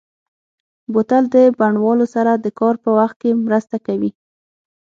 بوتل د بڼوالو سره د کار په وخت کې مرسته کوي.